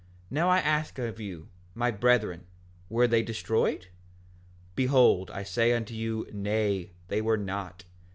5:8 And now I ask of you, my brethren, were they destroyed? Behold, I say unto you, Nay, they were not.